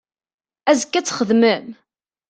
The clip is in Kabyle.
Azekka ad txedmem?